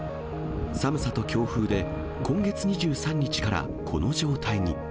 寒さと強風で、今月２３日からこの状態に。